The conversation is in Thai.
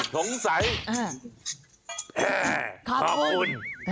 สงสัยขอบคุณ